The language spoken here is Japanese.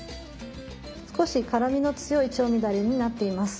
少し辛みの強い調味だれになっています。